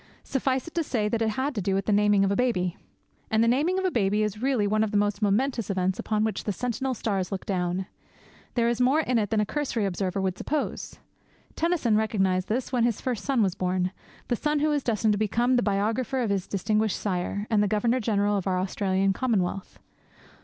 Suffice it to say that it had to do with the naming of a baby. And the naming of a baby is really one of the most momentous events upon which the sentinel stars look down. There is more in it than a cursory observer would suppose. Tennyson recognized this when his first son was born, the son who was destined to become the biographer of his distinguished sire and the Governor General of our Australian Commonwealth.